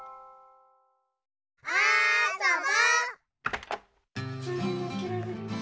あそぼ！